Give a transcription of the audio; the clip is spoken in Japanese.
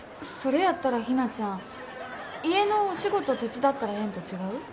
それやったらひなちゃん家のお仕事手伝ったらええんと違う？